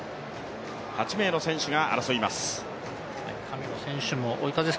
８名の選手が争います。